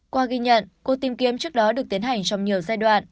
qua ghi nhận cuộc tìm kiếm trước đó được tiến hành trong nhiều giai đoạn